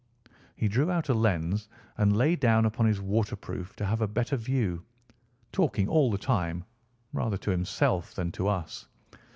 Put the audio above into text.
He drew out a lens and lay down upon his waterproof to have a better view, talking all the time rather to himself than to us.